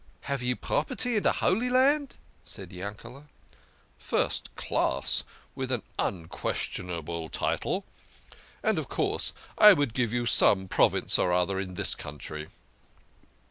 " Have you property in de Holy Land? " said Yankel6. "First class, with an unquestionable title. And, of course, I would give you some province or other in this country."